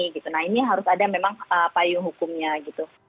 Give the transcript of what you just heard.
nah ini harus ada memang payung hukumnya gitu